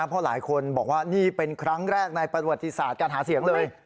เพราะหลายคนบอกว่านี่เป็นครั้งแรกในประวัติศาสตร์การหาเสียงเลย